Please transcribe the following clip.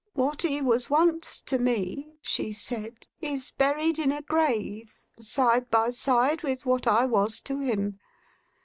"What he was once to me," she said, "is buried in a grave, side by side with what I was to him.